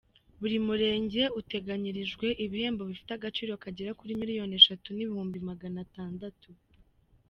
Buri murenge uteganyirijwe ibihembo bifite abagico kagera kuri miliyoni eshatu n’ibihumbi magana atandatu.